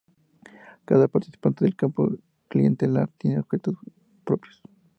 Cada participante del campo clientelar tiene objetivos propios.